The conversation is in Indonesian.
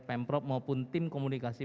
pemprov maupun tim komunikasi